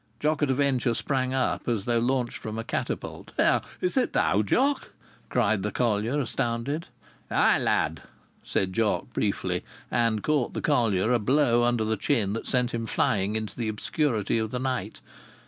Jock at a Venture sprang up as though launched from a catapult. "Is it thou, Jock?" cried the collier, astounded. "Ay, lad!" said Jock, briefly. And caught the collier a blow under the chin that sent him flying into the obscurity of the night.